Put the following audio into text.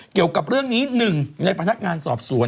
เกี่ยวกับเรื่องนี้หนึ่งในพนักงานสอบสวน